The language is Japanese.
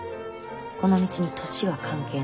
この道に年は関係ない。